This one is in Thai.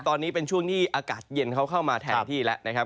ตอนนี้เป็นช่วงที่อากาศเย็นเขาเข้ามาแทนที่แล้วนะครับ